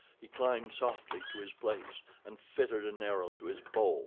He climbed softly to his place, and fitted an arrow to his bow.